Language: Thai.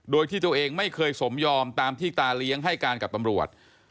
โดยที่ตัวเองไม่เคยสมยอมตามที่ตาเลี้ยงให้การกับตำรวจ